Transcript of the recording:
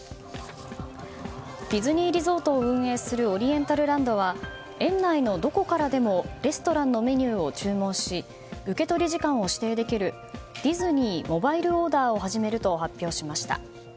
ディズニーリゾートを運営するオリエンタルランドは園内のどこからでもレストランのメニューを注文し受け取り時間を指定できるディズニー・モバイルオーダーを始めると発表しました。